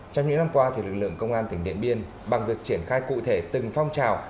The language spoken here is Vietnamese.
trong những năm qua lực lượng công an tỉnh điện biên bằng việc triển khai cụ thể từng phong trào